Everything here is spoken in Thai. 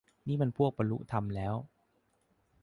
นี่มันพวกบรรลุธรรมแล้ว